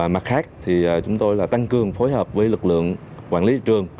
mặt khác chúng tôi tăng cương phối hợp với lực lượng quản lý trường